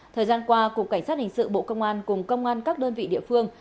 thời gian qua cục cảnh sát hình sự bộ công an cùng công an các đơn vị địa phương